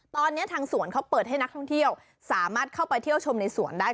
ตอนนี้ทางสวนเขาเปิดให้นักท่องเที่ยวสามารถเข้าไปเที่ยวชมในสวนได้